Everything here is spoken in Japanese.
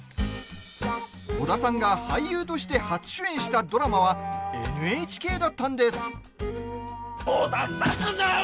織田さんが俳優として初主演したドラマはＮＨＫだったんです。